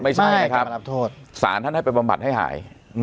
ไม่ใช่นะครับกลับมารับโทษสารท่านให้เป็นบำบัดให้หายอืม